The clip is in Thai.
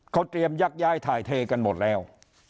เขาเตรียมยักย้ายถ่ายเทกันหมดแล้ว